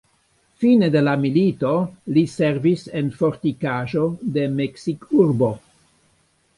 Fine de la milito, li servis en fortikaĵo de Meksikurbo.